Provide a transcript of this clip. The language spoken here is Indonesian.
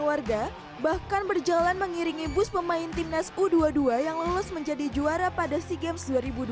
warga bahkan berjalan mengiringi bus pemain timnas u dua puluh dua yang lolos menjadi juara pada sea games